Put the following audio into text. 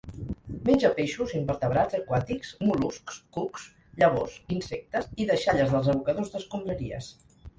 Menja peixos, invertebrats aquàtics, mol·luscs, cucs, llavors, insectes i deixalles dels abocadors d'escombraries.